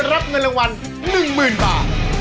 รับเงินรางวัล๑๐๐๐บาท